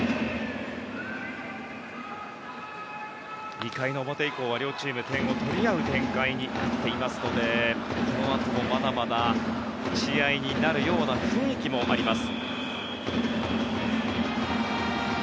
２回の表以降は両チーム点を取り合う展開になってますのでこのあともまだまだ打ち合いになるような雰囲気もあります。